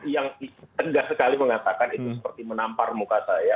yang tegas sekali mengatakan itu seperti menampar muka saya